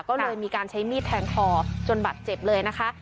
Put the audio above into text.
ก็เลยมีการใช้มีดแทงคอจนบัตรเจ็บเลยนะคะ